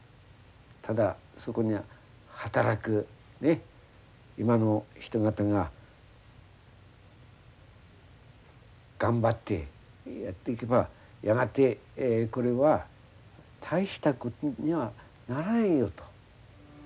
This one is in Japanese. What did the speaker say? ただそこに働く今の人がたが頑張ってやっていけばやがてこれは大したことにはならんよ」と。